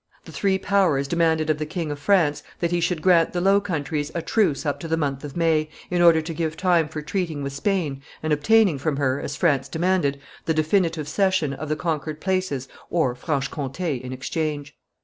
The three powers demanded of the King of France that he should grant the Low Countries a truce up to the month of May, in order to give time for treating with Spain and obtaining from her, as France demanded, the definitive cession of the conquered places or Franche Comte in exchange.